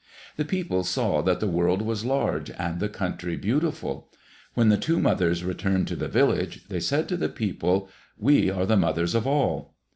The people saw that the world was large and the country beautiful. When the two mothers returned to the village, they said to the people, "We are the mothers of all."